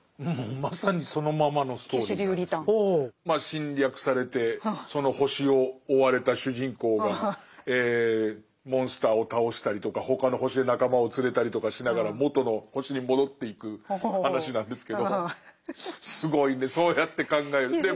侵略されてその星を追われた主人公がモンスターを倒したりとか他の星で仲間を連れたりとかしながら元の星に戻っていく話なんですけどすごいねそうやって考えると。